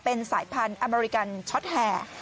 เป็นสายพันธุ์อเมริกันช็อตแห่